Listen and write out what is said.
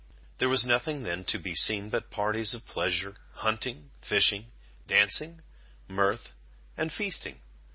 There was nothing then to be seen but parties of pleasure, hunting, fishing, dancing, mirth and feasting.